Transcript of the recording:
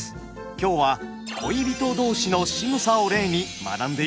今日は恋人同士のしぐさを例に学んでいきましょう。